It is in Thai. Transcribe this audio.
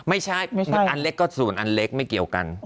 ไม่ใช่ส่วนอันเล็กไม่เกี่ยวกัน